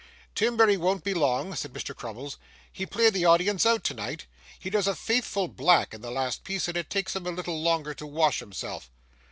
'Timberry won't be long,' said Mr. Crummles. 'He played the audience out tonight. He does a faithful black in the last piece, and it takes him a little longer to wash himself.